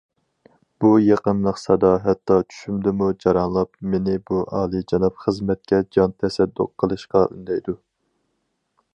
بۇ يېقىملىق سادا ھەتتا چۈشۈمدىمۇ جاراڭلاپ، مېنى بۇ ئالىيجاناب خىزمەتكە جان تەسەددۇق قىلىشقا ئۈندەيدۇ.